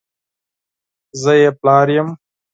زه یې پلار یم !